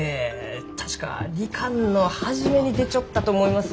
確か２巻の初めに出ちょったと思います。